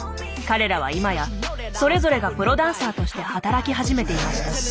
彼らは今やそれぞれがプロダンサーとして働き始めていました。